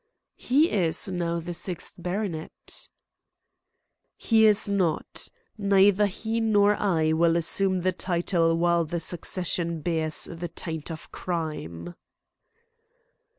"He is now the sixth baronet?" "He is not. Neither he nor I will assume the title while the succession bears the taint of crime."